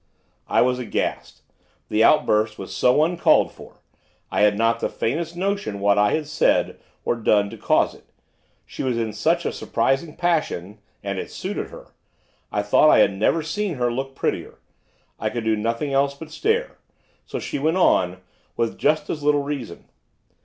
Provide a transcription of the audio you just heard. I was aghast. The outburst was so uncalled for, I had not the faintest notion what I had said or done to cause it; she was in such a surprising passion and it suited her! I thought I had never seen her look prettier, I could do nothing else but stare. So she went on, with just as little reason.